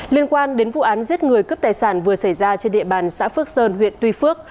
liên quan đến vụ án giết người cướp tài sản vừa xảy ra trên địa bàn xã phước sơn huyện tuy phước